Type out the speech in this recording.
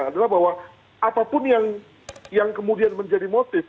adalah bahwa apapun yang kemudian menjadi motif